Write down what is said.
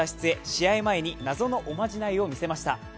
試合前に謎のおまじないを見せました。